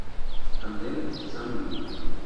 Anden Samling.